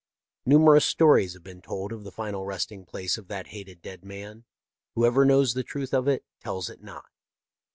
Numerous stories have been told of the final resting place of that hated dead man. Whoever knows the truth of it tells it not.